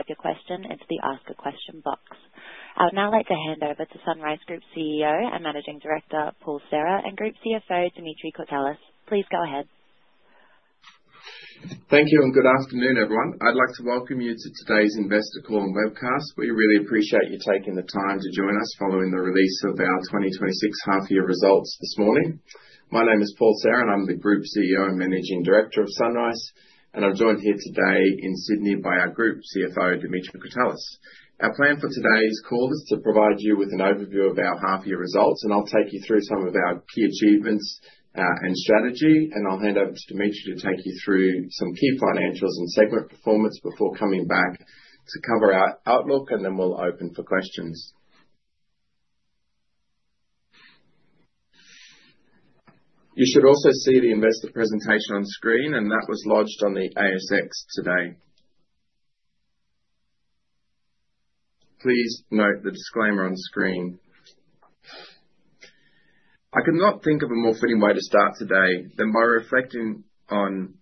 Ask a question into the Ask a Question box. I would now like to hand over to SunRice Group CEO and Managing Director Paul Serra and Group CFO Dimitri Courtelis. Please go ahead. Thank you and good afternoon, everyone. I'd like to welcome you to today's investor call webcast. We really appreciate you taking the time to join us following the release of our 2026 half-year results this morning. My name is Paul Serra, and I'm the Group CEO and Managing Director of SunRice. I'm joined here today in Sydney by our Group CFO, Dimitri Courtelis. Our plan for today's call is to provide you with an overview of our half-year results, and I'll take you through some of our key achievements and strategy. I'll hand over to Dimitri to take you through some key financials and segment performance before coming back to cover our outlook, and then we'll open for questions. You should also see the investor presentation on screen, and that was lodged on the ASX today. Please note the disclaimer on screen.I could not think of a more fitting way to start today than by reflecting on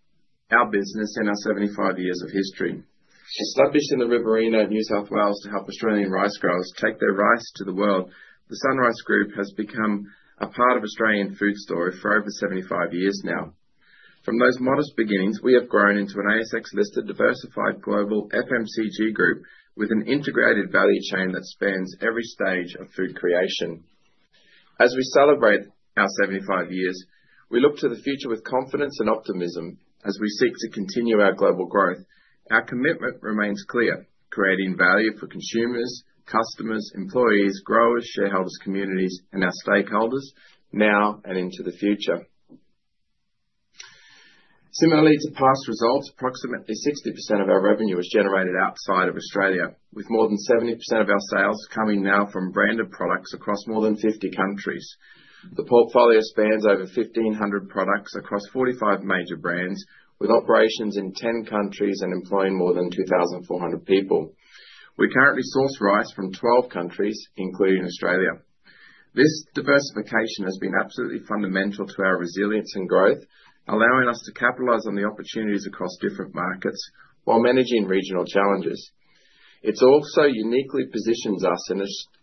our business and our 75 years of history. Established in the Riverina of New South Wales to help Australian rice growers take their rice to the world, the SunRice Group has become a part of Australian food story for over 75 years now. From those modest beginnings, we have grown into an ASX-listed diversified global FMCG group with an integrated value chain that spans every stage of food creation. As we celebrate our 75 years, we look to the future with confidence and optimism as we seek to continue our global growth. Our commitment remains clear, creating value for consumers, customers, employees, growers, shareholders, communities, and our stakeholders now and into the future. Similarly to past results, approximately 60% of our revenue is generated outside of Australia, with more than 70% of our sales coming now from branded products across more than 50 countries. The portfolio spans over 1,500 products across 45 major brands, with operations in 10 countries and employing more than 2,400 people. We currently source rice from 12 countries, including Australia. This diversification has been absolutely fundamental to our resilience and growth, allowing us to capitalize on the opportunities across different markets while managing regional challenges. It also uniquely positions us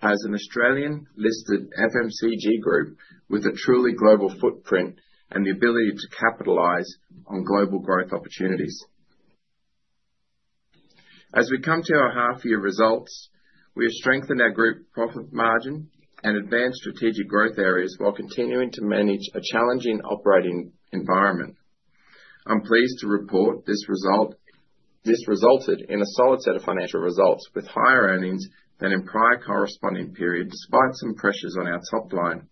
as an Australian-listed FMCG group with a truly global footprint and the ability to capitalize on global growth opportunities. As we come to our half-year results, we have strengthened our group profit margin and advanced strategic growth areas while continuing to manage a challenging operating environment. I'm pleased to report this resulted in a solid set of financial results with higher earnings than in prior corresponding periods, despite some pressures on our top line.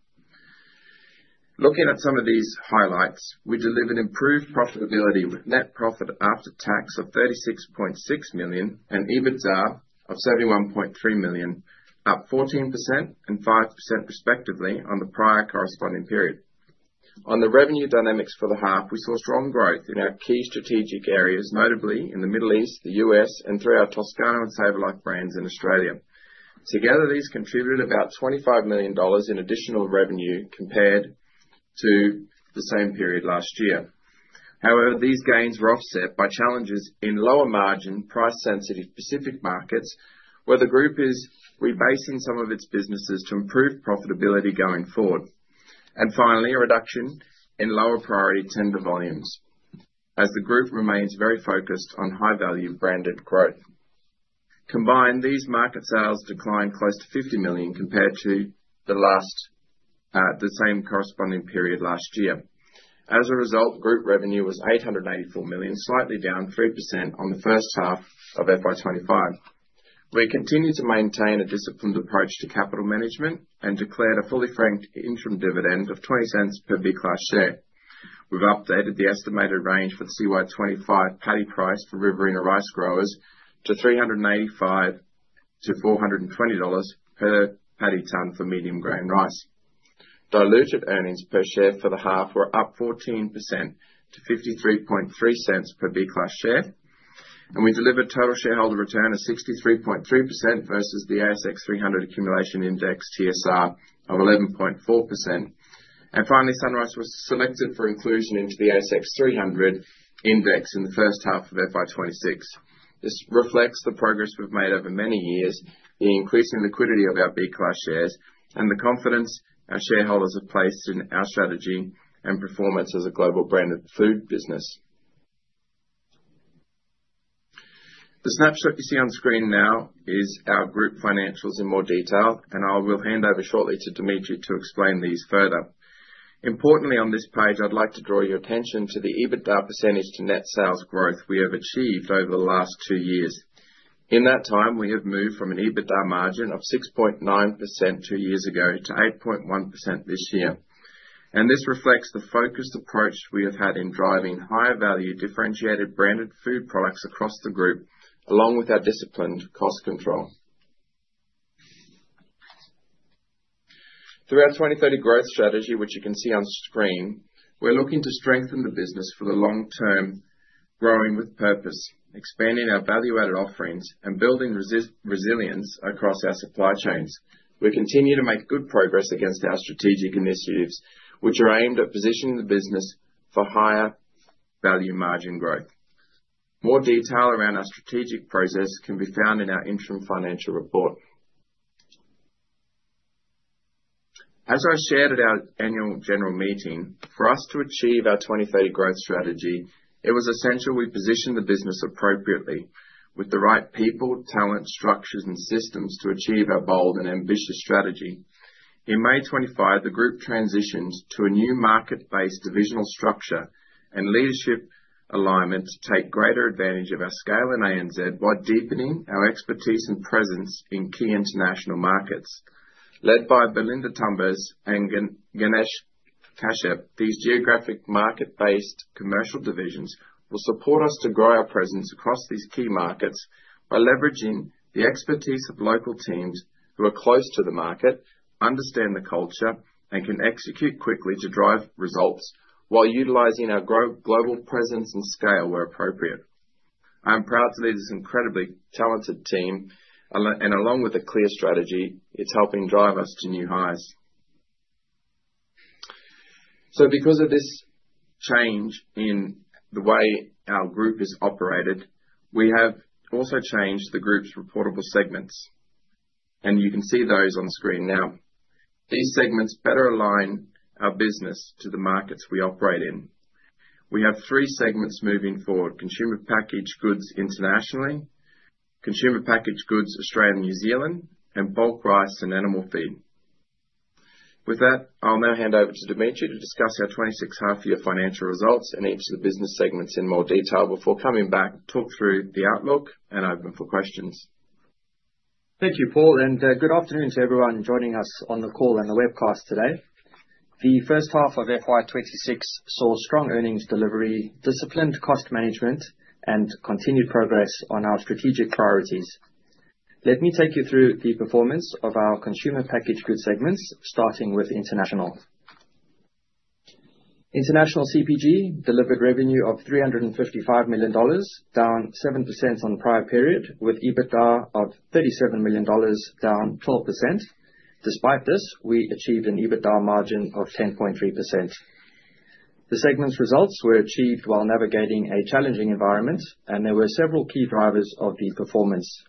Looking at some of these highlights, we delivered improved profitability with net profit after tax of 36.6 million and EBITDA of 71.3 million, up 14% and 5% respectively on the prior corresponding period. On the revenue dynamics for the half, we saw strong growth in our key strategic areas, notably in the Middle East, the U.S., and through our Toscano and SavourLife brands in Australia. Together, these contributed about 25 million dollars in additional revenue compared to the same period last year. However, these gains were offset by challenges in lower margin, price-sensitive Pacific markets, where the group is rebasing some of its businesses to improve profitability going forward. And finally, a reduction in lower priority tender volumes as the group remains very focused on high-value branded growth. Combined, these market sales declined close to 50 million compared to the same corresponding period last year. As a result, group revenue was 884 million, slightly down 3% on the first half of FY 2025. We continue to maintain a disciplined approach to capital management and declared a fully franked interim dividend of 0.20 per B Class Share. We've updated the estimated range for the CY25 paddy price for Riverina rice growers to 385-420 dollars per paddy tonne for medium grain rice. Diluted earnings per share for the half were up 14% to 0.533 per B Class Share. And we delivered total shareholder return of 63.3% versus the ASX 300 Accumulation Index TSR of 11.4%. Finally, SunRice was selected for inclusion into the ASX 300 Index in the first half of FY 2026. This reflects the progress we've made over many years, the increasing liquidity of our B Class Shares, and the confidence our shareholders have placed in our strategy and performance as a global branded food business. The snapshot you see on screen now is our group financials in more detail, and I will hand over shortly to Dimitri to explain these further. Importantly, on this page, I'd like to draw your attention to the EBITDA percentage to net sales growth we have achieved over the last two years. In that time, we have moved from an EBITDA margin of 6.9% two years ago to 8.1% this year. This reflects the focused approach we have had in driving higher value differentiated branded food products across the group, along with our disciplined cost control. Through our 2030 Growth Strategy, which you can see on screen, we're looking to strengthen the business for the long term, growing with purpose, expanding our value-added offerings, and building resilience across our supply chains. We continue to make good progress against our strategic initiatives, which are aimed at positioning the business for higher value margin growth. More detail around our strategic process can be found in our interim financial report. As I shared at our annual general meeting, for us to achieve our 2030 Growth Strategy, it was essential we positioned the business appropriately with the right people, talent, structures, and systems to achieve our bold and ambitious strategy. In May 2025, the group transitioned to a new market-based divisional structure and leadership alignment to take greater advantage of our scale in ANZ while deepening our expertise and presence in key international markets. Led by Belinda Tumbers and Ganesh Kashyap, these geographic market-based commercial divisions will support us to grow our presence across these key markets by leveraging the expertise of local teams who are close to the market, understand the culture, and can execute quickly to drive results while utilizing our global presence and scale where appropriate. I'm proud to lead this incredibly talented team, and along with a clear strategy, it's helping drive us to new highs. So because of this change in the way our group is operated, we have also changed the group's reportable segments. And you can see those on screen now. These segments better align our business to the markets we operate in. We have three segments moving forward: consumer packaged goods internationally, consumer packaged goods Australia and New Zealand, and Bulk Rice and Animal Feed.With that, I'll now hand over to Dimitri to discuss our FY 2026 half-year financial results and each of the business segments in more detail before coming back to talk through the outlook and open for questions. Thank you, Paul, and good afternoon to everyone joining us on the call and the webcast today. The first half of FY 2026 saw strong earnings delivery, disciplined cost management, and continued progress on our strategic priorities. Let me take you through the performance of our consumer packaged goods segments, starting with International. International CPG delivered revenue of 355 million dollars, down 7% on the prior period, with EBITDA of 37 million dollars, down 12%. Despite this, we achieved an EBITDA margin of 10.3%. The segments' results were achieved while navigating a challenging environment, and there were several key drivers of the performance: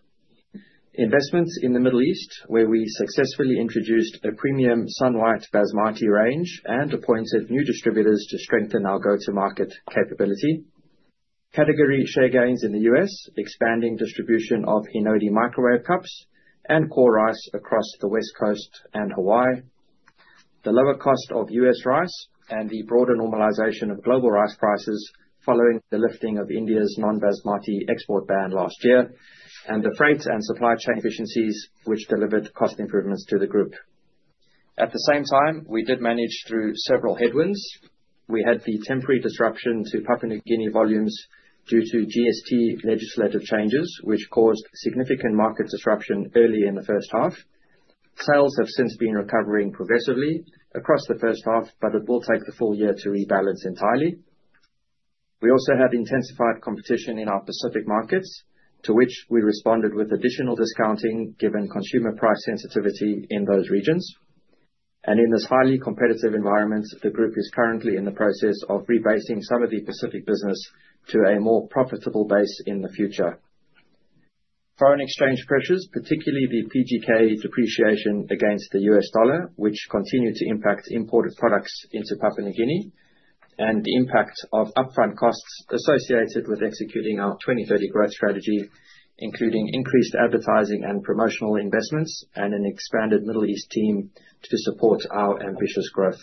investments in the Middle East, where we successfully introduced a premium SunRice Basmati range and appointed new distributors to strengthen our go-to-market capability, category share gains in the U.S., expanding distribution of Hinode microwave cups and core rice across the West Coast and Hawaii, the lower cost of U.S. rice and the broader normalization of global rice prices following the lifting of India's non-Basmati export ban last year, and the freight and supply chain efficiencies, which delivered cost improvements to the group. At the same time, we did manage through several headwinds. We had the temporary disruption to Papua New Guinea volumes due to GST legislative changes, which caused significant market disruption early in the first half. Sales have since been recovering progressively across the first half, but it will take the full year to rebalance entirely. We also had intensified competition in our Pacific markets, to which we responded with additional discounting given consumer price sensitivity in those regions. And in this highly competitive environment, the group is currently in the process of rebasing some of the Pacific business to a more profitable base in the future. Foreign exchange pressures, particularly the PGK depreciation against the U.S. dollar, which continue to impact imported products into Papua New Guinea, and the impact of upfront costs associated with executing our 2030 Growth Strategy, including increased advertising and promotional investments and an expanded Middle East team to support our ambitious growth.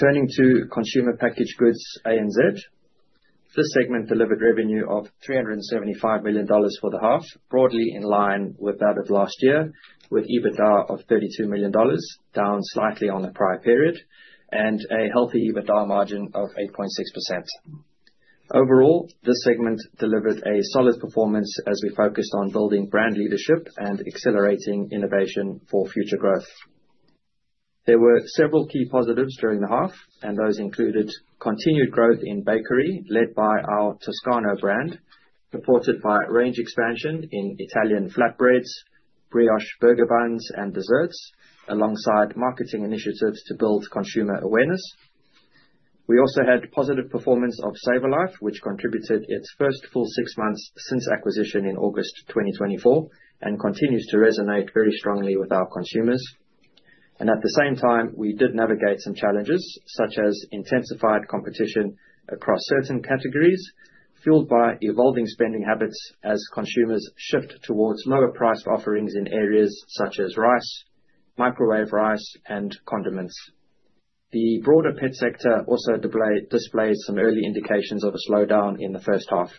Turning to Consumer Packaged Goods ANZ, this segment delivered revenue of 375 million dollars for the half, broadly in line with that of last year, with EBITDA of 32 million dollars, down slightly on the prior period, and a healthy EBITDA margin of 8.6%. Overall, this segment delivered a solid performance as we focused on building brand leadership and accelerating innovation for future growth. There were several key positives during the half, and those included continued growth in bakery, led by our Toscano brand, supported by range expansion in Italian flatbreads, brioche burger buns, and desserts, alongside marketing initiatives to build consumer awareness. We also had positive performance of SavourLife, which contributed its first full six months since acquisition in August 2024 and continues to resonate very strongly with our consumers. At the same time, we did navigate some challenges, such as intensified competition across certain categories, fueled by evolving spending habits as consumers shift towards lower price offerings in areas such as rice, microwave rice, and condiments. The broader pet sector also displays some early indications of a slowdown in the first half.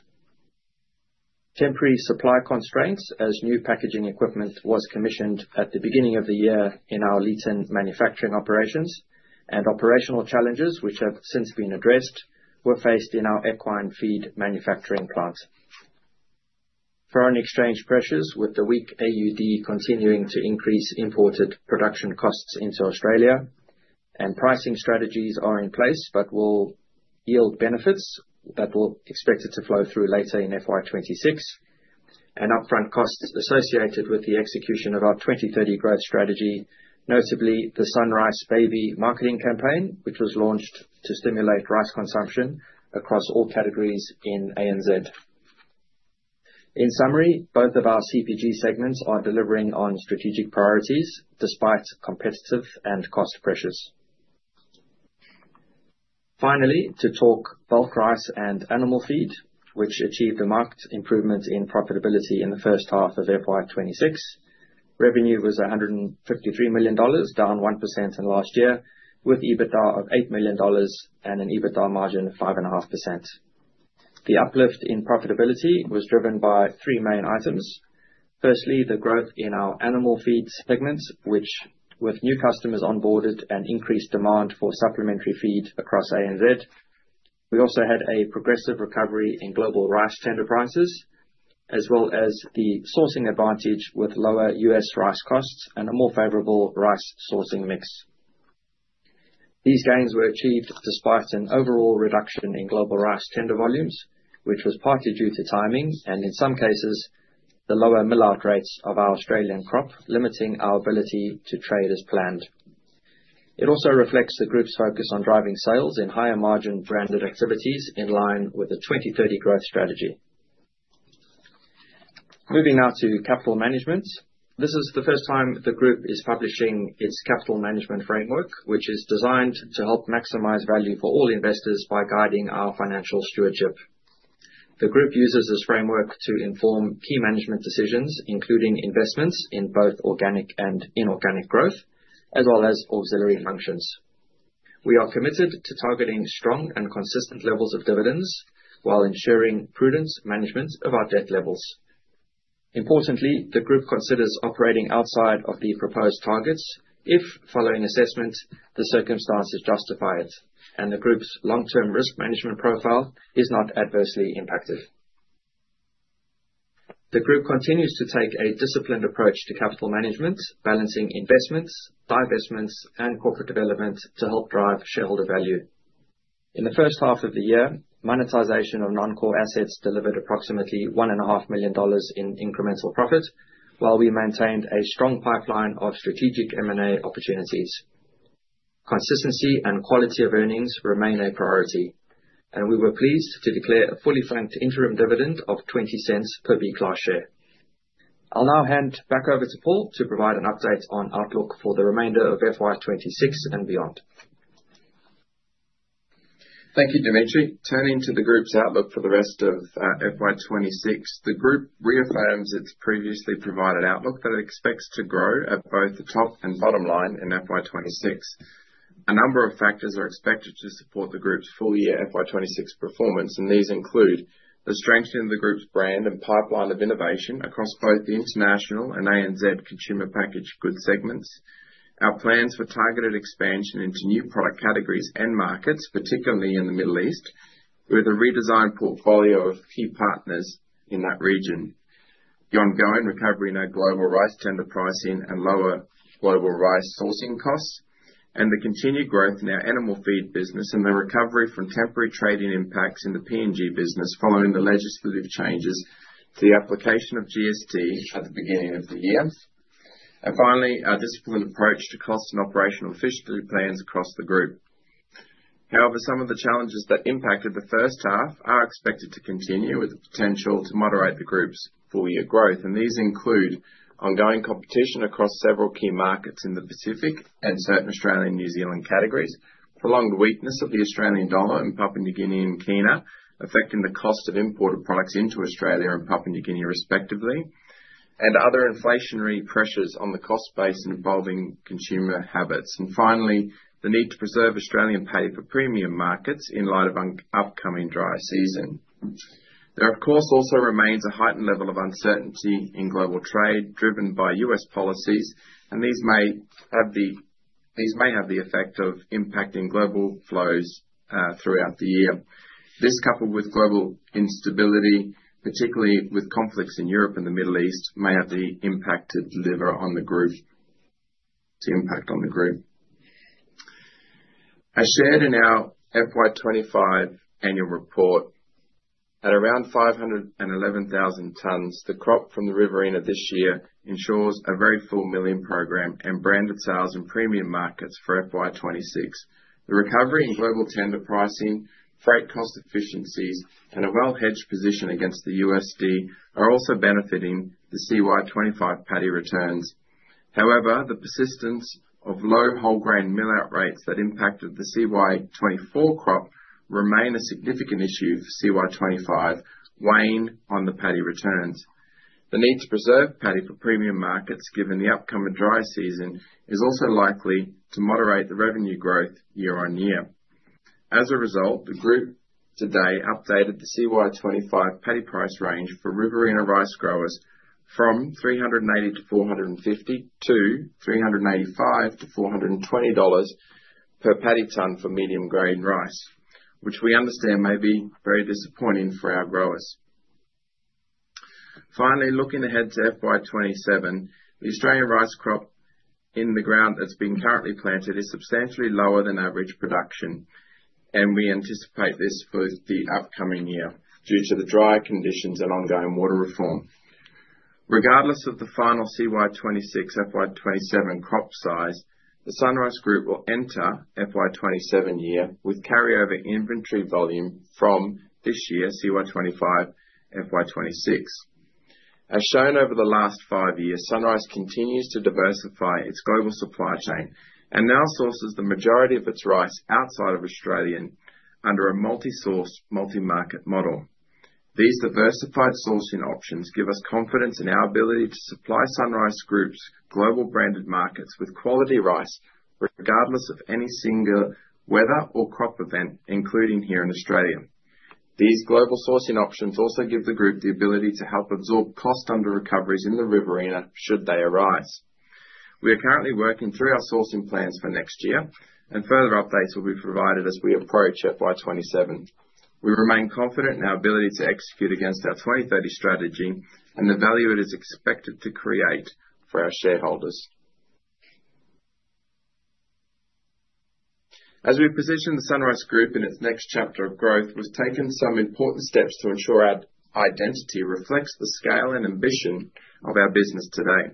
Temporary supply constraints as new packaging equipment was commissioned at the beginning of the year in our Leeton manufacturing operations, and operational challenges which have since been addressed were faced in our equine feed manufacturing plant. Foreign exchange pressures, with the weak AUD continuing to increase imported production costs into Australia, and pricing strategies are in place but will yield benefits that we're expected to flow through later in FY 2026, and upfront costs associated with the execution of our 2030 Growth Strategy, notably the SunRice Baby marketing campaign, which was launched to stimulate rice consumption across all categories in ANZ. In summary, both of our CPG segments are delivering on strategic priorities despite competitive and cost pressures. Finally, to talk bulk rice and animal feed, which achieved a marked improvement in profitability in the first half of FY 2026. Revenue was 153 million dollars, down 1% in last year, with EBITDA of 8 million dollars and an EBITDA margin of 5.5%. The uplift in profitability was driven by three main items. Firstly, the growth in our animal feed segments, which, with new customers onboarded and increased demand for supplementary feed across ANZ, we also had a progressive recovery in global rice tender prices, as well as the sourcing advantage with lower U.S. rice costs and a more favorable rice sourcing mix. These gains were achieved despite an overall reduction in global rice tender volumes, which was partly due to timing and, in some cases, the lower mill-out rates of our Australian crop, limiting our ability to trade as planned. It also reflects the group's focus on driving sales in higher margin branded activities in line with the 2030 Growth Strategy. Moving now to capital management, this is the first time the group is publishing its capital management framework, which is designed to help maximize value for all investors by guiding our financial stewardship. The group uses this framework to inform key management decisions, including investments in both organic and inorganic growth, as well as auxiliary functions. We are committed to targeting strong and consistent levels of dividends while ensuring prudent management of our debt levels. Importantly, the group considers operating outside of the proposed targets if, following assessment, the circumstances justify it and the group's long-term risk management profile is not adversely impacted. The group continues to take a disciplined approach to capital management, balancing investments, divestments, and corporate development to help drive shareholder value. In the first half of the year, monetization of non-core assets delivered approximately 1.5 million dollars in incremental profit, while we maintained a strong pipeline of strategic M&A opportunities. Consistency and quality of earnings remain a priority, and we were pleased to declare a fully franked interim dividend of 0.20 per B Class Share.I'll now hand back over to Paul to provide an update on outlook for the remainder of FY 2026 and beyond. Thank you, Dimitri. Turning to the group's outlook for the rest of FY 2026, the group reaffirms its previously provided outlook that it expects to grow at both the top and bottom line in FY 2026. A number of factors are expected to support the group's full year FY 2026 performance, and these include the strengthening of the group's brand and pipeline of innovation across both the international and ANZ consumer packaged goods segments, our plans for targeted expansion into new product categories and markets, particularly in the Middle East, with a redesigned portfolio of key partners in that region, the ongoing recovery in our global rice tender pricing and lower global rice sourcing costs, and the continued growth in our animal feed business and the recovery from temporary trading impacts in the PNG business following the legislative changes to the application of GST at the beginning of the year. And finally, our disciplined approach to cost and operational efficiency plans across the group. However, some of the challenges that impacted the first half are expected to continue with the potential to moderate the group's full year growth, and these include ongoing competition across several key markets in the Pacific and certain Australian and New Zealand categories, prolonged weakness of the Australian dollar and Papua New Guinea and Kenya, affecting the cost of imported products into Australia and Papua New Guinea respectively, and other inflationary pressures on the cost base involving consumer habits. And finally, the need to preserve Australian paddy premium markets in light of an upcoming dry season. There, of course, also remains a heightened level of uncertainty in global trade driven by U.S. policies, and these may have the effect of impacting global flows throughout the year. This, coupled with global instability, particularly with conflicts in Europe and the Middle East, may have the impact to deliver on the group, to impact on the group. As shared in our FY 2025 annual report, at around 511,000 tonnes, the crop from the Riverina this year ensures a very full milling program and branded sales in premium markets for FY 2026. The recovery in global tender pricing, freight cost efficiencies, and a well-hedged position against the USD are also benefiting the CY25 paddy returns. However, the persistence of low whole grain mill-out rates that impacted the CY24 crop remain a significant issue for CY25, weighing on the paddy returns. The need to preserve paddy for premium markets, given the upcoming dry season, is also likely to moderate the revenue growth year-on-year. As a result, the group today updated the CY25 paddy price range for Riverina rice growers from 380-450 to 385-420 dollars per paddy tonne for medium grain rice, which we understand may be very disappointing for our growers. Finally, looking ahead to FY 2027, the Australian rice crop in the ground that's been currently planted is substantially lower than average production, and we anticipate this for the upcoming year due to the dry conditions and ongoing water reform. Regardless of the final CY26, FY 2027 crop size, the SunRice Group will enter FY 2027 year with carryover inventory volume from this year, CY25, FY 2026. As shown over the last five years, SunRice continues to diversify its global supply chain and now sources the majority of its rice outside of Australia under a multi-source, multi-market model. These diversified sourcing options give us confidence in our ability to supply SunRice Group's global branded markets with quality rice, regardless of any single weather or crop event, including here in Australia. These global sourcing options also give the group the ability to help absorb cost under recoveries in the Riverina should they arise. We are currently working through our sourcing plans for next year, and further updates will be provided as we approach FY 2027. We remain confident in our ability to execute against our 2030 strategy and the value it is expected to create for our shareholders. As we position the SunRice Group in its next chapter of growth, we've taken some important steps to ensure our identity reflects the scale and ambition of our business today.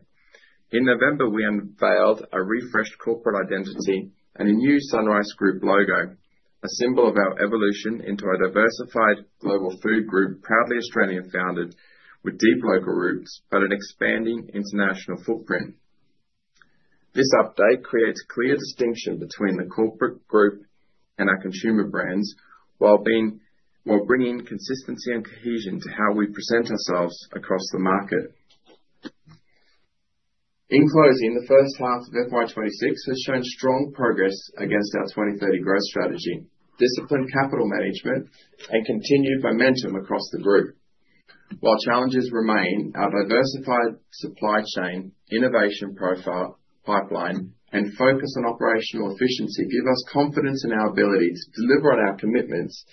In November, we unveiled a refreshed corporate identity and a new SunRice Group logo, a symbol of our evolution into a diversified global food group, proudly Australian-founded, with deep local roots, but an expanding international footprint. This update creates a clear distinction between the corporate group and our consumer brands while bringing consistency and cohesion to how we present ourselves across the market. In closing, the first half of FY 2026 has shown strong progress against our 2030 Growth Strategy, disciplined capital management, and continued momentum across the group. While challenges remain, our diversified supply chain, innovation profile, pipeline, and focus on operational efficiency give us confidence in our ability to deliver on our commitments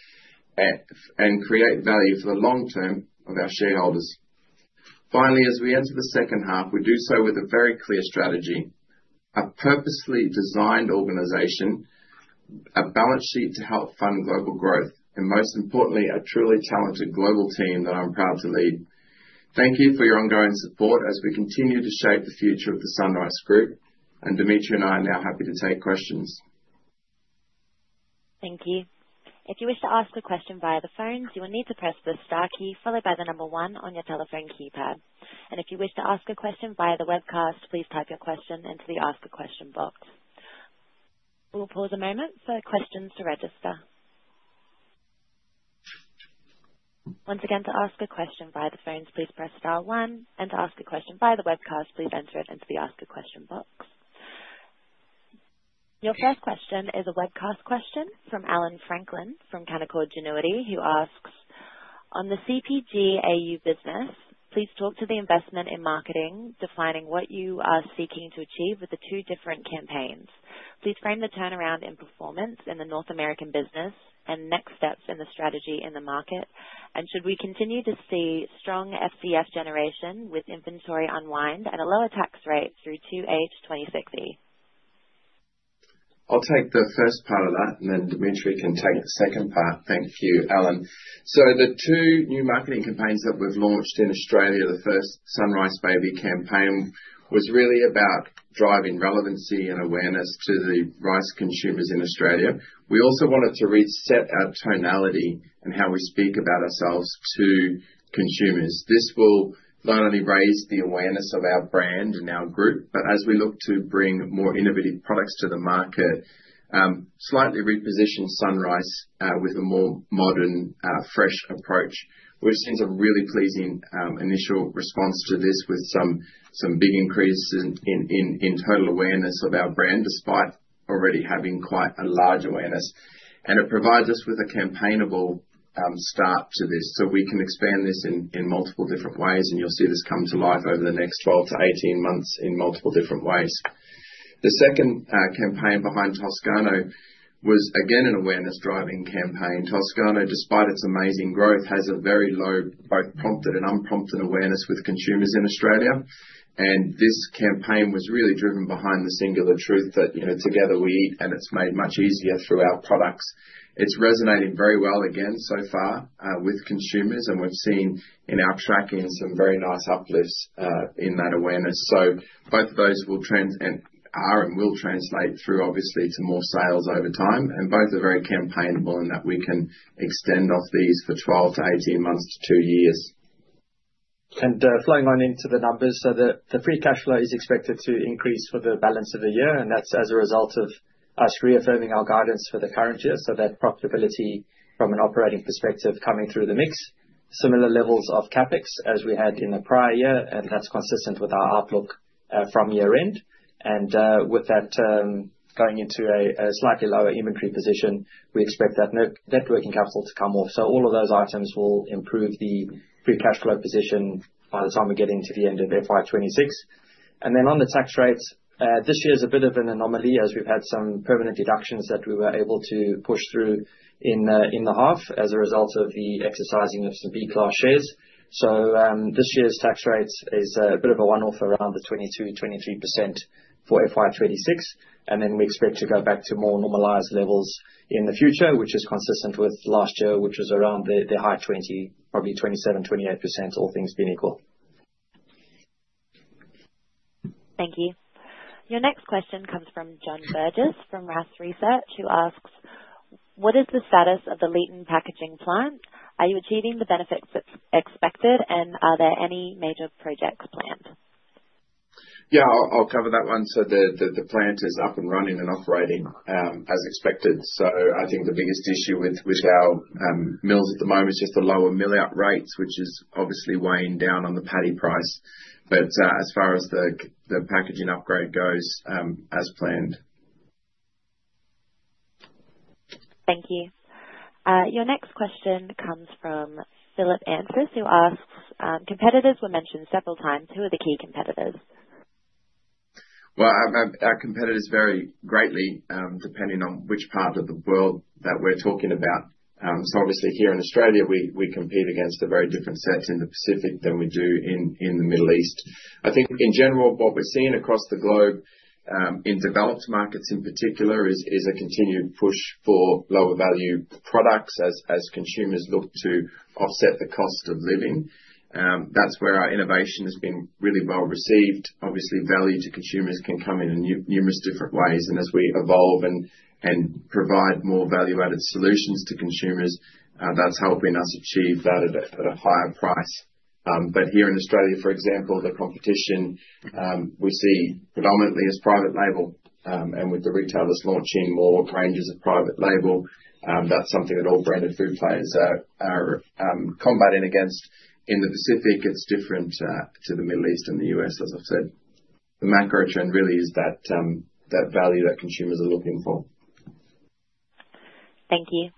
and create value for the long term of our shareholders. Finally, as we enter the second half, we do so with a very clear strategy, a purposely designed organization, a balance sheet to help fund global growth, and most importantly, a truly talented global team that I'm proud to lead. Thank you for your ongoing support as we continue to shape the future of the SunRice Group, and Dimitri and I are now happy to take questions. Thank you. If you wish to ask a question via the phone, you will need to press the star key followed by the number one on your telephone keypad, and if you wish to ask a question via the webcast, please type your question into the Ask a Question box. We'll pause a moment for questions to register. Once again, to ask a question via the phone, please press star one, and to ask a question via the webcast, please enter it into the Ask a Question box. Your first question is a webcast question from Allan Franklin from Canaccord Genuity, who asks, "On the CPG AU business, please talk to the investment in marketing, defining what you are seeking to achieve with the two different campaigns. Please frame the turnaround in performance in the North American business and next steps in the strategy in the market, and should we continue to see strong FCF generation with inventory unwind and a lower tax rate through 2H26? I'll take the first part of that, and then Dimitri can take the second part. Thank you, Allan. So the two new marketing campaigns that we've launched in Australia, the first SunRice Baby campaign, was really about driving relevancy and awareness to the rice consumers in Australia. We also wanted to reset our tonality and how we speak about ourselves to consumers. This will not only raise the awareness of our brand and our group, but as we look to bring more innovative products to the market, slightly reposition SunRice with a more modern, fresh approach. We've seen some really pleasing initial response to this with some big increases in total awareness of our brand, despite already having quite a large awareness. It provides us with a campaignable start to this, so we can expand this in multiple different ways, and you'll see this come to life over the next 12 months-18 months in multiple different ways. The second campaign behind Toscano was, again, an awareness-driving campaign. Toscano, despite its amazing growth, has a very low, both prompted and unprompted, awareness with consumers in Australia. This campaign was really driven behind the singular truth that, together, we eat, and it's made much easier through our products. It's resonated very well again so far with consumers, and we've seen in our tracking some very nice uplifts in that awareness. So both of those will carry and will translate through, obviously, to more sales over time. Both are very campaignable in that we can extend off these for 12months to 18 months to two years. And flowing on into the numbers, so the free cash flow is expected to increase for the balance of the year, and that's as a result of us reaffirming our guidance for the current year, so that profitability from an operating perspective coming through the mix, similar levels of CapEx as we had in the prior year, and that's consistent with our outlook from year-end. And with that going into a slightly lower inventory position, we expect that net working capital to come off. So all of those items will improve the free cash flow position by the time we get into the end of FY 2026. And then on the tax rates, this year is a bit of an anomaly as we've had some permanent deductions that we were able to push through in the half as a result of the exercising of some B Class Shares. This year's tax rate is a bit of a one-off around 22%-23% for FY 2026, and then we expect to go back to more normalised levels in the future, which is consistent with last year, which was around the high 20s, probably 27%-28%, all things being equal. Thank you. Your next question comes from John Burgess from RaaS Research, who asks, "What is the status of the Leeton packaging plant? Are you achieving the benefits expected, and are there any major projects planned? Yeah, I'll cover that one. So the plant is up and running and operating as expected. So I think the biggest issue with our mills at the moment is just the lower mill-out rates, which is obviously weighing down on the paddy price. But as far as the packaging upgrade goes, as planned. Thank you. Your next question comes from Philip Anthes, who asks, "Competitors were mentioned several times. Who are the key competitors? Our competitors vary greatly depending on which part of the world that we're talking about. Obviously, here in Australia, we compete against a very different set in the Pacific than we do in the Middle East. I think in general, what we're seeing across the globe in developed markets in particular is a continued push for lower value products as consumers look to offset the cost of living. That's where our innovation has been really well received. Obviously, value to consumers can come in numerous different ways, and as we evolve and provide more value-added solutions to consumers, that's helping us achieve that at a higher price. Here in Australia, for example, the competition we see predominantly is private label, and with the retailers launching more ranges of private label, that's something that all branded food players are combating against.In the Pacific, it's different to the Middle East and the U.S., as I've said. The macro trend really is that value that consumers are looking for. Thank you.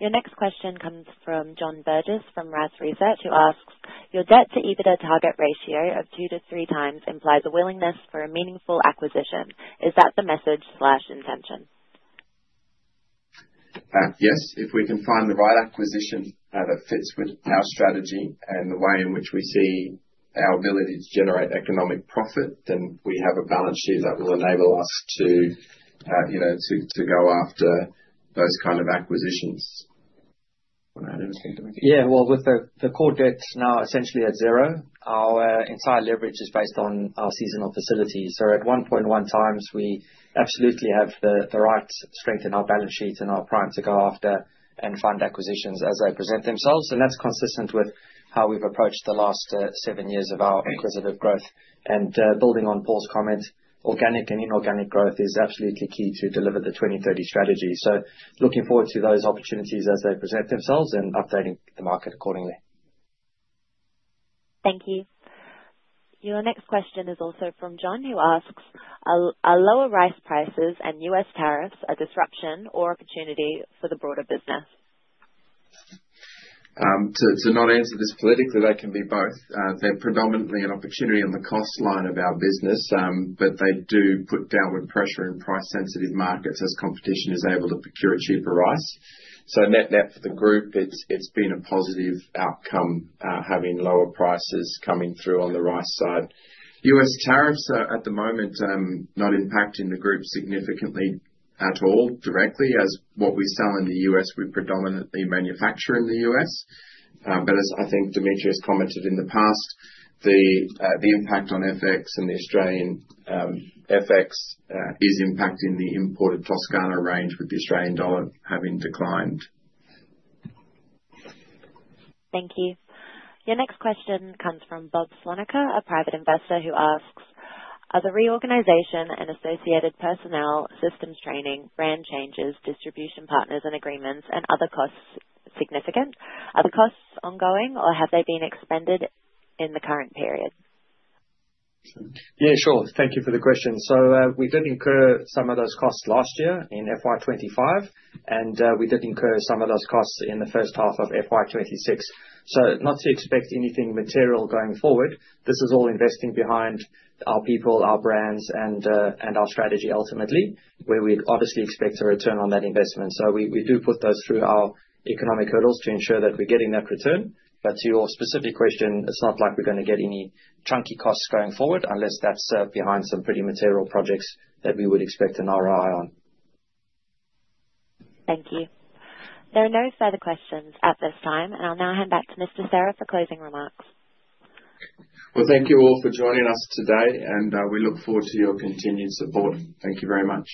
Your next question comes from John Burgess from RaaS Group, who asks, "Your debt-to-EBITDA target ratio of 2x-3x implies a willingness for a meaningful acquisition. Is that the message/intention? Yes. If we can find the right acquisition that fits with our strategy and the way in which we see our ability to generate economic profit, then we have a balance sheet that will enable us to go after those kinds of acquisitions. Yeah, well, with the core debt now essentially at zero, our entire leverage is based on our seasonal facilities. So at 1.1x, we absolutely have the right strength in our balance sheet and our prime to go after and fund acquisitions as they present themselves. And that's consistent with how we've approached the last seven years of our acquisitive growth. And building on Paul's comment, organic and inorganic growth is absolutely key to deliver the 2030 strategy. So looking forward to those opportunities as they present themselves and updating the market accordingly. Thank you. Your next question is also from John, who asks, "Are lower rice prices and U.S. tariffs a disruption or opportunity for the broader business? To not answer this politically, they can be both. They're predominantly an opportunity on the cost line of our business, but they do put downward pressure in price-sensitive markets as competition is able to procure cheaper rice. So net-net for the group, it's been a positive outcome having lower prices coming through on the rice side. U.S. tariffs are at the moment not impacting the group significantly at all directly, as what we sell in the U.S., we predominantly manufacture in the U.S. But as I think Dimitri has commented in the past, the impact on FX and the Australian FX is impacting the imported Toscano range with the Australian dollar having declined. Thank you. Your next question comes from Bob Slonica, a private investor who asks, "Are the reorganization and associated personnel, systems training, brand changes, distribution partners and agreements, and other costs significant? Are the costs ongoing or have they been expended in the current period? Yeah, sure. Thank you for the question. So we did incur some of those costs last year in FY 2025, and we did incur some of those costs in the first half of FY 2026. So not to expect anything material going forward. This is all investing behind our people, our brands, and our strategy ultimately, where we obviously expect a return on that investment. So we do put those through our economic hurdles to ensure that we're getting that return. But to your specific question, it's not like we're going to get any chunky costs going forward unless that's behind some pretty material projects that we would expect an ROI on. Thank you. There are no further questions at this time, and I'll now hand back to Mr. Serra for closing remarks. Well, thank you all for joining us today, and we look forward to your continued support. Thank you very much.